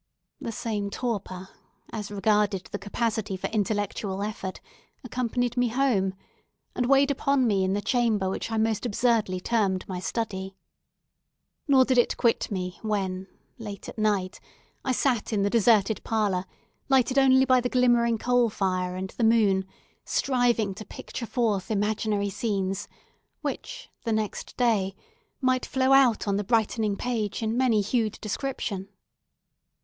The same torpor, as regarded the capacity for intellectual effort, accompanied me home, and weighed upon me in the chamber which I most absurdly termed my study. Nor did it quit me when, late at night, I sat in the deserted parlour, lighted only by the glimmering coal fire and the moon, striving to picture forth imaginary scenes, which, the next day, might flow out on the brightening page in many hued description.